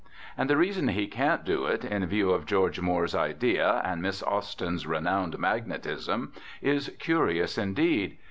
And the reason he can't do it, in view of George Moore's idea and Miss Austen's renowned magnetism, is curious indeed.